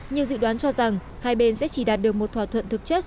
nhiều dự đoán cho rằng hai bên sẽ chỉ đạt được một thỏa thuận thực chất